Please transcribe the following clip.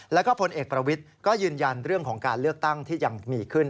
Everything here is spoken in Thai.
แล้วก็พลเอกประวิทย์ก็ยืนยันเรื่องของการเลือกตั้งที่ยังมีขึ้น